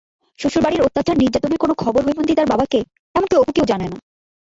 শ্বশুরবাড়ির অত্যাচার-নির্যাতনের কোনো খবর হৈমন্তী তার বাবাকে, এমনকি অপুকেও জানায় না।